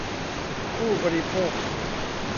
ผู้บริโภค